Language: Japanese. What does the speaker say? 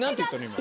今。